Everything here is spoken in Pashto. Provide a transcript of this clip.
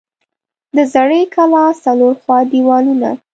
د زړې کلا څلور خوا دیوالونه